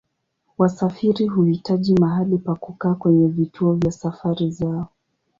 Wasafiri huhitaji mahali pa kukaa kwenye vituo vya safari zao.